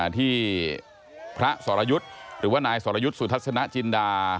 ที่พระสรยุทธ์หรือว่านายสรยุทธ์สุทัศนจินดา